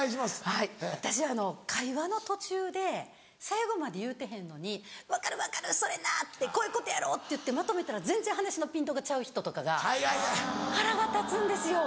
はい私会話の途中で最後まで言うてへんのに「分かる分かるそれなこういうことやろ」って言ってまとめたら全然話のピントがちゃう人とかが腹が立つんですよ。